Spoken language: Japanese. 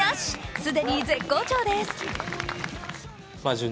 既に絶好調です。